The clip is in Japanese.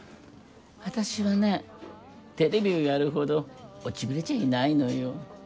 あたしはねテレビをやるほど落ちぶれちゃいないのよ。